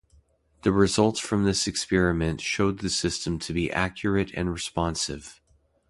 The results from this experiment showed the system to be accurate and responsive.